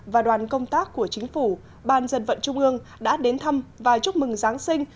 và đoàn công tác của chính phủ ban dân vận trung ương đã đến thăm và chúc mừng giáng sinh